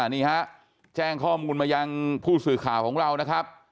นี่ฮะแจ้งข้อมูลมายังผู้สื่อข่าวของเรานะครับ